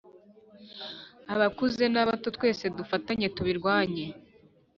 Abakuze n’ abato twese dufatanye tubirwanye